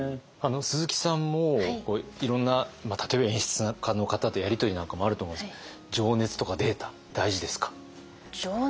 鈴木さんもいろんな例えば演出家の方とやり取りなんかもあると思うんですけど情熱とかデータ大事ですか？